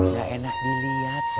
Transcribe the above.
nggak enak dilihat